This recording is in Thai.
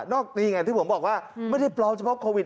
นี่ไงที่ผมบอกว่าไม่ได้ปลอมเฉพาะโควิด